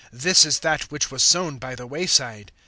This is that which was sown by the way side.